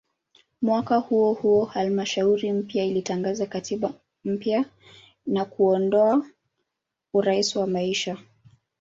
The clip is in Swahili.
Mwaka huohuo halmashauri mpya ilitangaza katiba mpya na kuondoa "urais wa maisha".